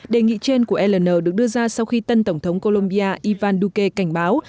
đề nghị trên của ln được đưa ra sau khi tân tổng thống colombia ivan duque cảnh báo